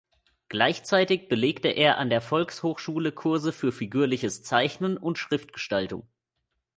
Gleichzeitig belegte er an der Volkshochschule Kurse für figürliches Zeichnen und Schriftgestaltung.